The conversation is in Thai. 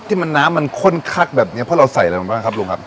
ที่มันน้ำมันข้นคักแบบนี้เพราะเราใส่อะไรมาบ้างครับลุงครับ